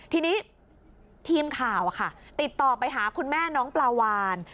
ทีนี้ทีมข่าวติดต่อไปหาคุณแม่น้องปลาวาน